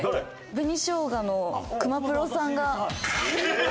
紅しょうがの熊プロさんが。